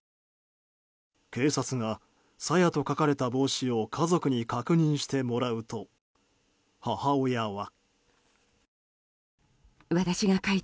警察が「さや」と書かれた帽子を家族に確認してもらうと母親は。